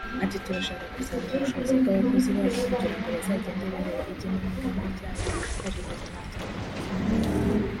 Ati″Turasha kuzamura ubushobozi bw’abakozi bacu kugira ngo bazagende barebe igenamigambi ryabo barihuze n’irya buri gihugu